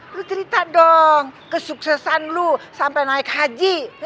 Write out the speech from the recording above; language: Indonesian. lo cerita dong kesuksesan lo sampai naik haji